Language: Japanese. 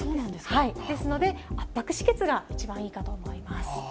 ですので、圧迫止血が一番いいかと思います。